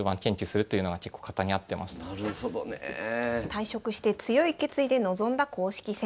退職して強い決意で臨んだ公式戦。